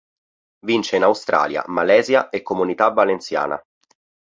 Vince in Australia, Malesia e Comunità Valenciana.